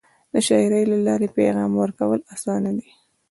د شاعری له لارې پیغام ورکول اسانه دی.